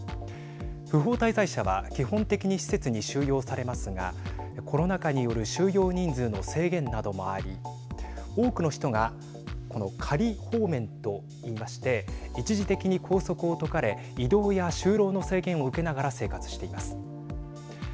不法滞在者は基本的に施設に収容されますがコロナ禍による収容人数の制限などもあり多くの人がこの仮放免といいまして一時的に拘束を解かれ移動や就労の制限を受けながら生活しています。